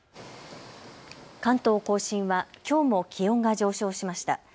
関東甲信はきょうも気温が上昇しました。